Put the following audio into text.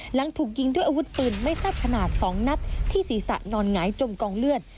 หลังถูกยิงด้วยอาวุธปืนไม่ทราบขนาด๒นัดที่ศีรษะนอนหงายจมกองเลือด